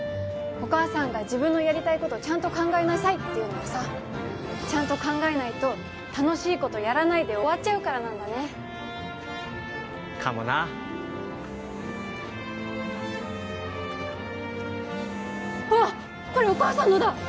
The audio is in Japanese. お母さんが自分のやりたいことちゃんと考えなさいって言うのはさちゃんと考えないと楽しいことやらないで終わっちゃうからなんだねかもなあっこれお母さんのだ！